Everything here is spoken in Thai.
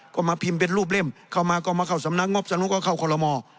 ก็มาพิมพ์เป็นรูปเล่มเข้ามาก็มาเข้าสำนักงบสนุกก็เข้าคอลโลมอ